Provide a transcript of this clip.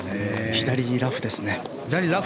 左のラフですね。